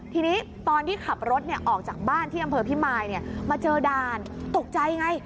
ทีนี้ตอนที่ขับรถออกจากบ้านที่อำเภอพิมายมาเจอด่านตกใจไง